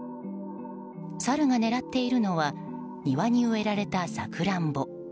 サルが狙っているのは庭に植えられたサクランボ。